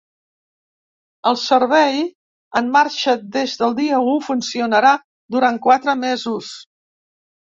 El servei, en marxa des del dia u, funcionarà durant quatre mesos.